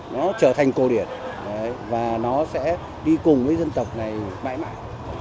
nó trở thành cổ điển và nó sẽ đi cùng với dân tộc này mãi mãi